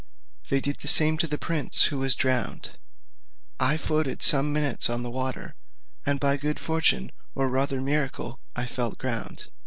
They did the same to the prince, who was drowned. I floated some minutes on the water, and by good fortune, or rather miracle, I felt ground.